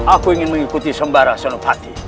aku ingin mengikuti sembara selup hati